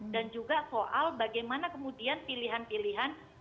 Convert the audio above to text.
dan juga soal bagaimana kemudian pilihan pilihan